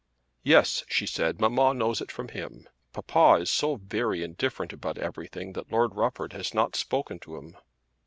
"Yes," she said; "mamma knows it from him. Papa is so very indifferent about everything that Lord Rufford has not spoken to him."